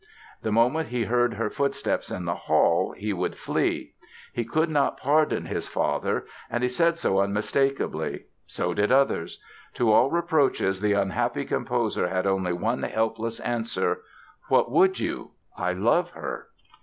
The moment he heard her footsteps in the hall he would flee. He could not pardon his father and he said so unmistakably. So did others! To all reproaches the unhappy composer had only one helpless answer: "What would you? I love her."